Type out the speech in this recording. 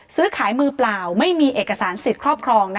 ซื้อขายมือเปล่าไม่มีเอกสารสิทธิ์ครอบครอง